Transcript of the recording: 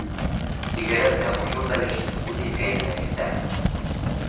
Бигерәк тә муйыл бәлешен үҙ иткәйне Нәфисә.